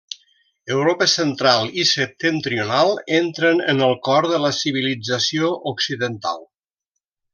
Europa Central i Septentrional entren en el cor de la civilització Occidental.